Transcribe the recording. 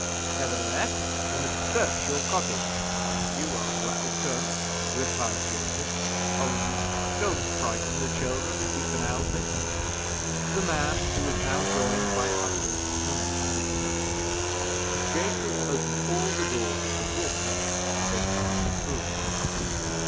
"Nevertheless, we must search your cottage." "You are welcome," replied Jacob; "only don't frighten the children, if you can help it." The man, who was now joined by others, commenced his search. Jacob opened all the doors of the rooms, and they passed through.